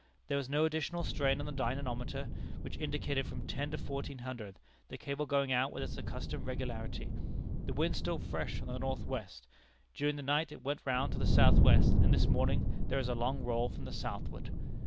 There was no additional strain on the dynamometer, which indicated from ten to fourteen hundred, the cable going out with its accustomed regularity. The wind still fresh from the north west. During the night it went round to the southwest, and this morning there is a long roll from the southward.